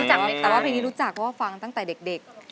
แต่ว่าเพลงนี้รู้จักเพราะว่าฟังตั้งแต่เด็ก